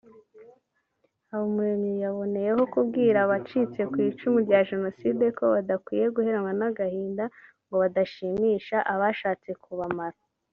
Habumuremyi yaboneyeho kubwira abacitse ku icumu rya Jenoside ko badakwiye guheranwa n’agahinda ngo badashimisha abashatse kubamara